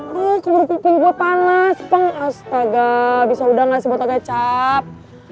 aduh keburu kukuh gue panas peng astaga bisa udah gak sih botol kecap